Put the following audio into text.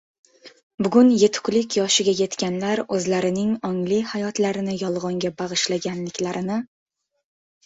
Bugun yetuklik yoshiga yetganlar o‘zlarining ongli hayotlarini yolg‘onga bag‘ishlaganliklarini